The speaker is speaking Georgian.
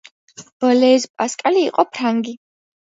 ბლეზ პასკალი იყო ფრანგი